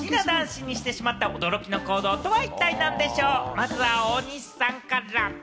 まずは大西さんから。